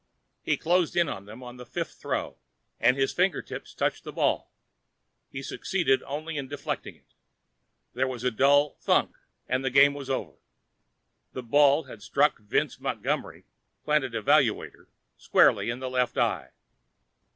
He closed in on them on the fifth throw and his fingertips touched the ball. He succeeded only in deflecting it. There was a dull thunk and the game was over. The ball had struck Vance Montgomery, planet evaluator, squarely in the left eye.